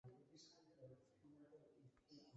Bigarren Mundu Gerrako Birmaniako kanpainan girotua dago.